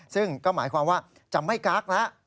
ซึ่งก็หมายความว่าจะไม่กักแล้ว